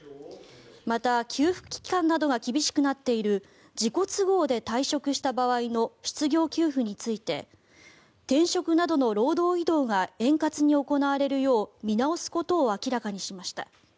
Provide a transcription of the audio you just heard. また、給付期間などが厳しくなっている自己都合で退職した場合の失業給付について転職などの労働移動が円滑に行われるよう見直すことを明らかにしました。